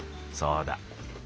そうだ。